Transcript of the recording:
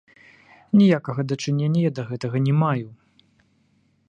Ніякага дачынення я да гэтага не маю.